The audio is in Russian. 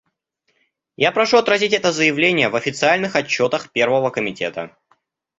Я прошу отразить это заявление в официальных отчетах Первого комитета.